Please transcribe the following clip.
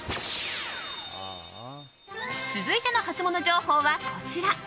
続いてのハツモノ情報はこちら。